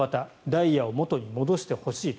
ダイヤを元に戻してほしい。